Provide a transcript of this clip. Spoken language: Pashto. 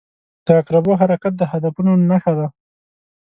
• د عقربو حرکت د هدفونو نښه ده.